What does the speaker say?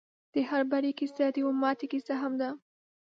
د هر بري کيسه د يوې ماتې کيسه هم ده.